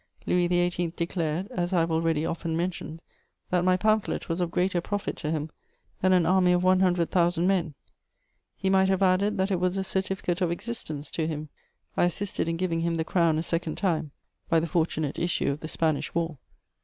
Louis XVIII. declared, as I have already often mentioned, that my pamphlet was of greater profit to him than an army of one hundred thousand men; he might have added that it was a certificate of existence to him. I assisted in giving him the crown a second time by the fortunate issue of the Spanish War.